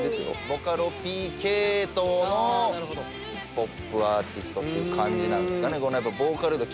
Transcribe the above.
ボカロＰ系統のポップアーティストっていう感じなんですかね。